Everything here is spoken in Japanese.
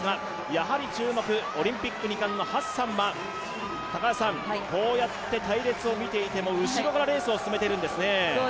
やはり注目オリンピック２冠のハッサンはこうやって隊列を見ていても後ろからレースを進めているんですね。